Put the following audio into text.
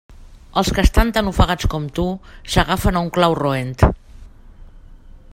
Els que estan tan ofegats com tu s'agafen a un clau roent.